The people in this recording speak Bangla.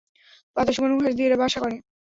পাতা, শুকনো ঘাস দিয়ে এরা বাসা করে।